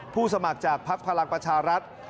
ผู้สมัครจากพรรคภาคประชารรัฐ